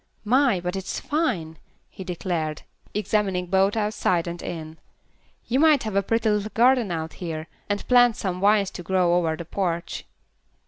"My! but it's fine," he declared, examining both outside and in. "You might have a pretty little garden out here, and plant some vines to grow over the porch."